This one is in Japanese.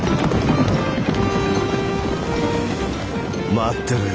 待ってろよ